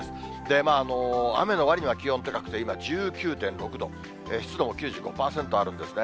雨のわりには気温高くて、今１９．６度、湿度も９５％あるんですね。